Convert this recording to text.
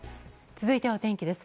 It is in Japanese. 続いては、天気です。